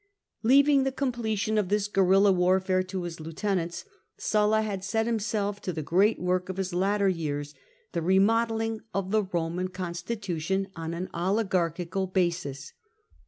Leaving the completion of this guerilla warfare to his lieutenants, Sulla had set himself to the great work of his latter years, the remodelling of the Roman constitution on an oligarchical basis.